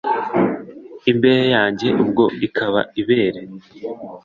imbehe yanjye ubwo ikaba ibere.